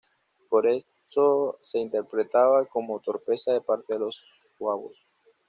Pero esto se interpretaba como torpeza de parte de los suabos.